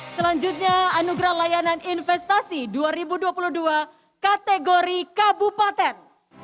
selanjutnya anugerah layanan investasi dua ribu dua puluh dua kategori kabupaten